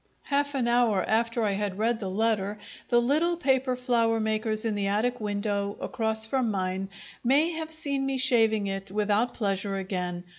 Half an hour after I had read the letter, the little paper flower makers in the attic window across from mine may have seen me shaving it without pleasure again.